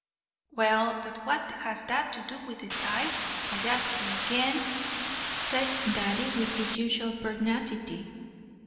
"Well, but what has that to do with the tithes? I ask you again," said Daddy with his usual pertinacity.